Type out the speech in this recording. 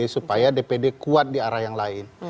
supaya dpd kuat di arah yang lain